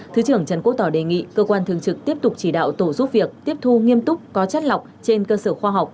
thứ trưởng trần quốc tỏ đề nghị cơ quan thường trực tiếp tục chỉ đạo tổ giúp việc tiếp thu nghiêm túc có chất lọc trên cơ sở khoa học